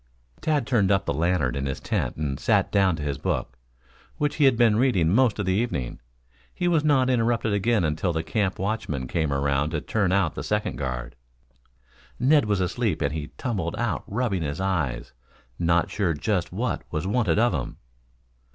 Tad turned up the lantern in his tent and sat down to his book, which he had been reading most of the evening. He was not interrupted again until the camp watchmen came around to turn out the second guard. Ned was asleep and he tumbled out rubbing his eyes, not sure just what was wanted of him.